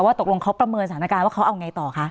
ว่าตกลงเขาประเมินสถานะการณ์เอาไงต่อค่ะ